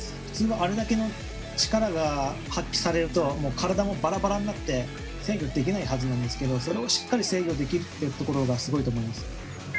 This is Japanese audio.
普通はあれだけの力が発揮されると、もう体もばらばらになって、制御できないはずなんですけど、それをしっかり制御できるところがすごいと思います。